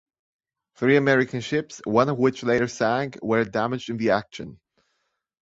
Three American ships, one of which later sank, were damaged in the action.